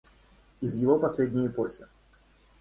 Из его последней эпохи.